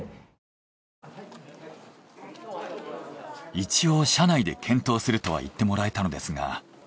「一応社内で検討する」とは言ってもらえたのですが。